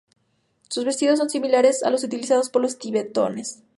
Sus vestidos son similares a los utilizados por los tibetanos.